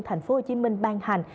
thành phố hồ chí minh ban hành